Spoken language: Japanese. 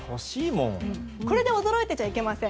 これで驚いちゃいけません。